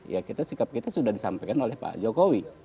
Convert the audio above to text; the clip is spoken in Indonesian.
ya kita sikap kita sudah disampaikan oleh pak jokowi